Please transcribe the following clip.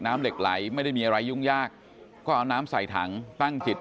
น้ำเหล็กไหลไม่ได้มีอะไรยุ่งยากก็เอาน้ำใส่ถังตั้งจิต